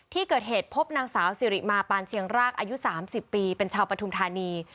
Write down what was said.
ที่เกิดเหตุพบนางสาวสิริมาปานเชียงรากอายุ๓๐ปีเป็นชาวปฐุมธานี